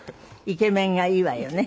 イケメンがいいわよね。